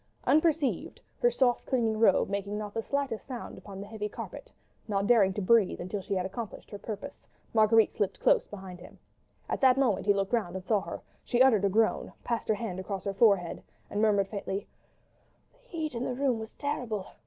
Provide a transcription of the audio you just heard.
Unperceived, her soft clinging robe making not the slightest sound upon the heavy carpet, not daring to breathe until she had accomplished her purpose, Marguerite slipped close behind him. ... At that moment he looked round and saw her; she uttered a groan, passed her hand across her forehead, and murmured faintly,— "The heat in the room was terrible